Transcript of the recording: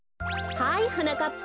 はいはなかっぱ。